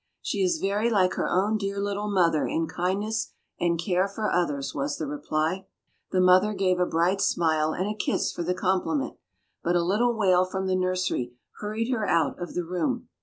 "She is very like her own dear little mother in kindness and care for others," was the reply. The mother gave a bright smile and a kiss for the compliment, but a little wail from the nursery hurried her out of the room.